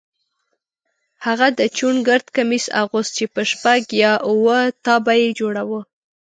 هغه د چوڼ ګرد کمیس اغوست چې په شپږ یا اووه تابه یې جوړاوه.